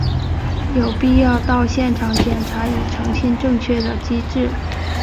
有必要到现场检查以澄清正确的机制。